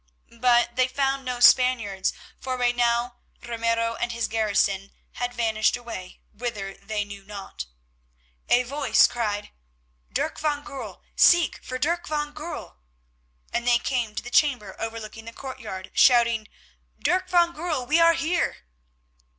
But they found no Spaniards, for by now Ramiro and his garrison had vanished away, whither they knew not. A voice cried, "Dirk van Goorl, seek for Dirk van Goorl," and they came to the chamber overlooking the courtyard, shouting, "Van Goorl, we are here!"